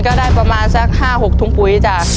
ก็ได้ประมาณสัก๕๖ถุงปุ๋ยจ้ะ